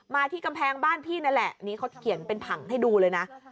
ที่กำแพงบ้านพี่นั่นแหละนี่เขาเขียนเป็นผังให้ดูเลยนะ